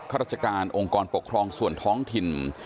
ราชการองค์กรปกครองส่วนท้องถิ่น